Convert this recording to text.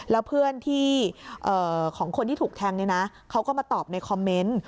แล้วเพื่อนของคนที่ถูกแทงเนี่ยนะเขาก็มาตอบในคอมเมนต์